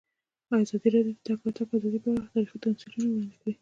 ازادي راډیو د د تګ راتګ ازادي په اړه تاریخي تمثیلونه وړاندې کړي.